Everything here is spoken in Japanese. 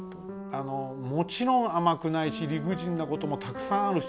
あのもちろん甘くないし理不尽なこともたくさんあるし。